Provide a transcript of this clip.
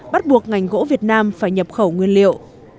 bắt buộc ngành gỗ việt nam phải nhập khẩu nguyên liệu